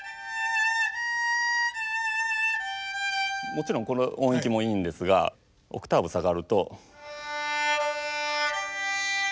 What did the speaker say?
もちろんこの音域もいいんですがオクターブ下がると。